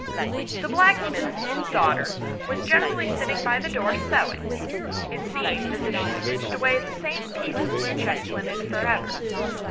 The blacksmith's little daughter was generally sitting by the door sewing ; it seemed as if she stitched away at the same piece of blue checked linen for ever.